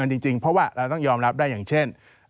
จริงเพราะว่าเราต้องยอมรับได้อย่างเช่น